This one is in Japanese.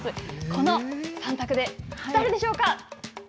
この３択で、誰でしょうか。